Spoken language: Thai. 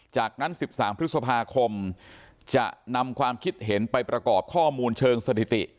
จากนั้น๑๓พฤษภาคมจะนำความคิดเห็นไปประกอบข้อมูลเชิงสถิติ